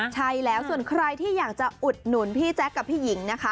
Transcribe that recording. ใช่แล้วส่วนใครที่อยากจะอุดหนุนพี่แจ๊คกับพี่หญิงนะคะ